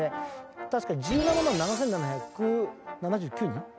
確か１７万７，７７９人。